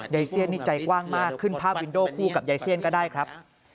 ยายเซียนนี่ใจกว้างมากขึ้นภาพวินโดคู่กับยายเซียนก็ได้ครับ